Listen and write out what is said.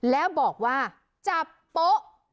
แล้วบอกว่าจับโป๊ะ